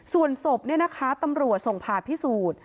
ส่วนศพตำรวจส่งผ่าพิสูจน์